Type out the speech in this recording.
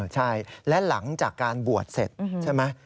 ใช่และหลังจากการบวชเสร็จใช่ไหม